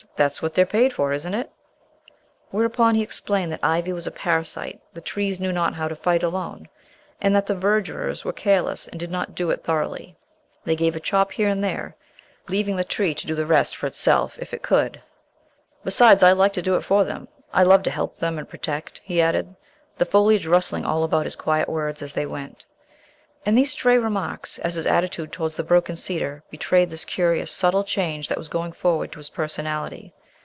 "That's what they're paid for, isn't it?" Whereupon he explained that ivy was a parasite the trees knew not how to fight alone, and that the verdurers were careless and did not do it thoroughly. They gave a chop here and there, leaving the tree to do the rest for itself if it could. "Besides, I like to do it for them. I love to help them and protect," he added, the foliage rustling all about his quiet words as they went. And these stray remarks, as his attitude towards the broken cedar, betrayed this curious, subtle change that was going forward to his personality.